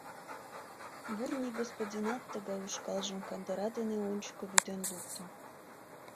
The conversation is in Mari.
Бурни господинат тыгай ушкалжым кандыра дене ончыко вӱден лукто.